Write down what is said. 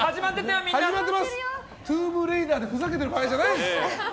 トゥームレイダーでふざけてる場合じゃないです。